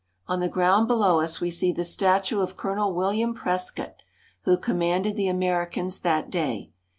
On the ground below us we see the statue of Colonel Wil likm Prescott, who commanded the Americans that day.